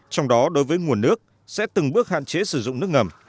trong đó đối với nguồn nước sẽ từng bước hạn chế sử dụng nước ngầm